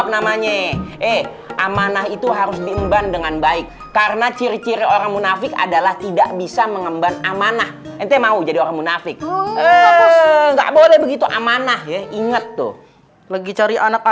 sampai jumpa di video selanjutnya